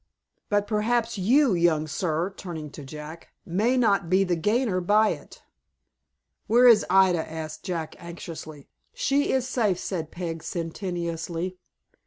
"But perhaps you, young sir," turning to Jack, "may not be the gainer by it." "Where is Ida?" asked Jack, anxiously. "She is safe," said Peg, sententiously.